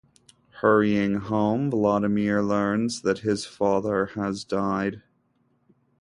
Hurrying home, Vladimir learns that his father has died.